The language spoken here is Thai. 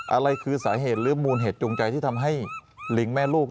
อะไรคือสาเหตุหรือมูลเหตุจูงใจที่ทำให้ลิงแม่ลูก